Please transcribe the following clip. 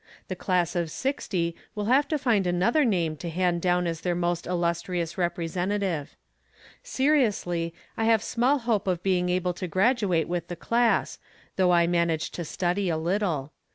The class of '60 will have to find another name to hand down as their most illustrious representative. Seriously, I have small hope of being able to graduate with the class, though I manage to study a little.